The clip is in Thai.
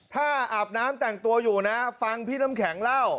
ถ้าอาบน้ำแต่งตัวอยู่นะฟังพี่น้ำแข็งเล่า